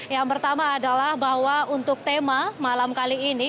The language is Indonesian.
yang pertama adalah bahwa untuk tema malam kali ini